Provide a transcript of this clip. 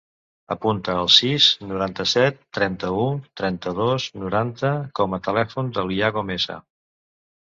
Apunta el sis, noranta-set, trenta-u, trenta-dos, noranta com a telèfon de l'Iago Mesa.